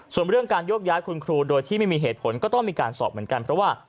ส่วนเรื่องการโยกย้ายคุณครูโดยที่ไม่มีเหตุผลก็ต้องมีการสอบเหมือนกันเพราะว่า